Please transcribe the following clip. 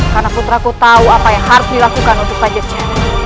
karena putraku tahu apa yang harus dilakukan untuk pajak jalan